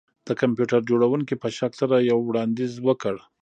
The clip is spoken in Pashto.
د کمپیوټر جوړونکي په شک سره یو وړاندیز وکړ